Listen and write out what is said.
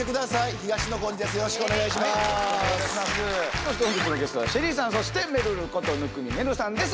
そして本日のゲストはＳＨＥＬＬＹさんそしてめるること生見愛瑠さんです